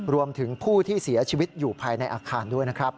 รวมถึงผู้ที่เสียชีวิตอยู่ภายในอาคารด้วยนะครับ